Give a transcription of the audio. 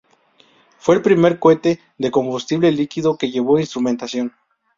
Fue el primer cohete de combustible líquido que llevó instrumentación.